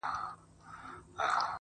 اغزي که تخم د سروګلونو -